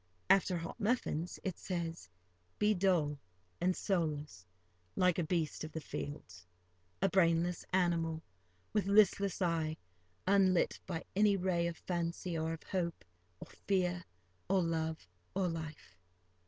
After hot muffins, it says, "Be dull and soulless, like a beast of the field—a brainless animal, with listless eye, unlit by any ray of fancy, or of hope, or fear, or love, or life."